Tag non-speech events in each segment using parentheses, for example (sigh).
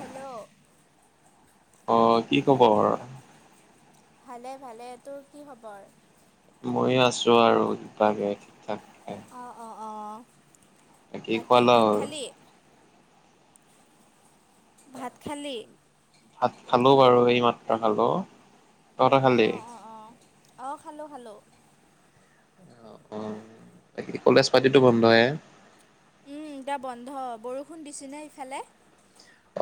Hello অ কি খবৰ? ভালে ভালে, তোৰ কি খবৰ? মইয়ে আছোঁ আৰু কিবাগে। অ অ অঁ, খোৱা বাকী লোৱা ভাত হ'ল? খালি। ভাত খালি। ভাত খালো বাৰু এই মাত্ৰ খালো। তহঁতে খালি? অ অ অ অ খালো খালো। অ অ অ অ বাকী কলেজ পাতিতো বন্ধয়ে। এতিয়া বন্ধ বৰষুণ দিছেনে ইফালে।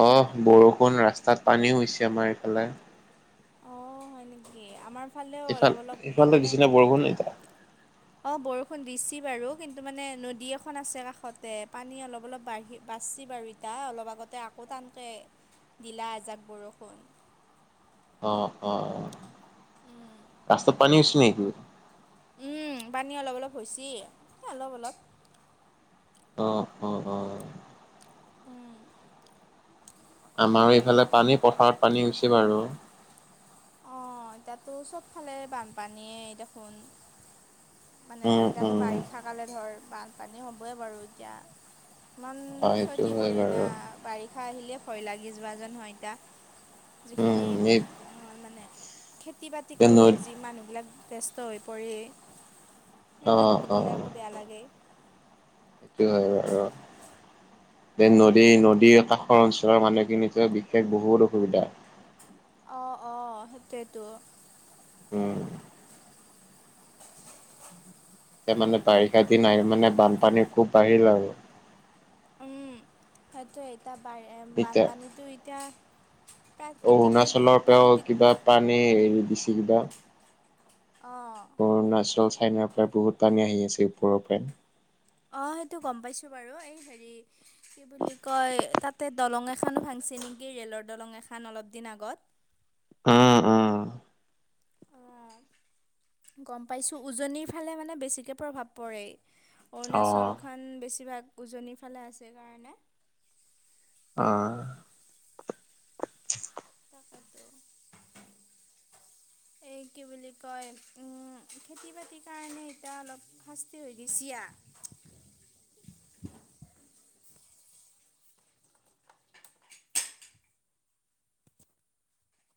অহ বৰষুণ ৰাস্তাত পানীও হৈছে আমাৰ এইফালে। অঁ হয় নেকি, আমাৰ ফালেও এইফাল অলপ অলপ এইফালে মানে দিছে নে বৰষুণ উম এতিয়া? অ বৰষুণ দিছি বাৰু কিন্তু মানে নদী এখন আছে কাষতে পানী অলপ অলপ বাঢ়ি বাচ্ছি বাৰু ইতা অলপ আগতে আকৌ টানকৈ দিলা এজাক বৰষুণ। অ অ অ অ অ অ ৰাস্তাত পানী হৈছি নিকি? উম উ পানী অলপ অলপ হৈছি অলপ অলপ। অঁ অ। অ'। উম উ চু আমাৰও এইফালে পানী পথাৰত পানী হৈছি বাৰু। অ অ অ তাতো চবফালে বানপানীয়ে দেখোন। মানে উম এতিয়াতো উম। বাৰিষা কালে ধৰ বানপানী হ'বই বাৰু এতিয়া। ইমান অ' সেইটো ক্ষতি হয় কৰে না। বাৰু। বাৰিষা আহিলে ভয় লাগি যোৱা যেন হয় এতিয়া যিখিনি উম এই হয় মানে, খেতি-বাতিক নৈ লৈয়ো যি মানুহবিলাক ব্যস্ত হৈ পৰি সেই অ' মানুহখিনিলে অ' আকৌ বেয়া লাগে। সেইটো হয় বাৰু দে নদী উম, নদী এটা অ, অঞ্চলৰ মানুহখিনিতো বিশেষ বহুত অসুবিধা। অ অ সেইটোৱেতো। উম উ উ এতিয়া মানে বাৰিষা দিন আহি মানে বানপানী খুব বাঢ়িল আৰু আ উম উ উ সেইটো এতিয়া বাঢ়ে এতিয়া বানপানীটো এতিয়া। প্ৰাকৃতিকে দুই অৰুণাচলৰ পৰাও প্ৰাকৃতিক কিবা পানী এৰি দিছে কিবা। অ অ অ অ। অৰুণাচল, চাইনাৰ পৰা বহুত পানী আহি আছে ওপৰৰ পৰাই। অঁ সেইটো গম পাইছোঁ বাৰু এই হেৰি কি বুলি কয় তাতে দলং এখনো ভাংসে নেকি ৰে'লৰ দলং এখন অলপ দিন আগত। উম উ উ উ অ আ আ গম পাইছো উজনিৰ ফালে মানে বেছিকে প্ৰভাৱ পৰে। অ অৰুণাচলখন বেছিভাগ উজনিৰ ফালে আছে কাৰণে। অঁ তাকেটো ঢি ঢি উ (inaudible) এই কি বুলি কয়, খেতি-বাতিৰ কাৰণে এতিয়া অলপ শাস্তি হৈগেছি আ।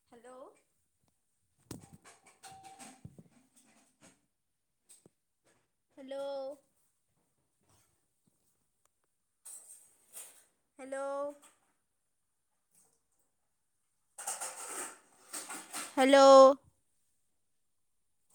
Hello hello hello hello